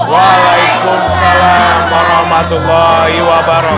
waalaikumsalam warahmatullahi wabarakatuh